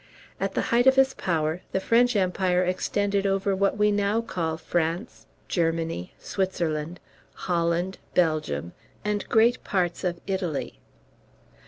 At the height of his power, the French empire extended over what we now call France, Germany, Switzerland, Holland, Belgium, and great part of Italy.